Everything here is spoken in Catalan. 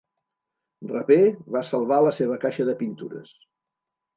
Raper va salvar la seva caixa de pintures.